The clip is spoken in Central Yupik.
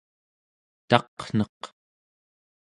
taqneq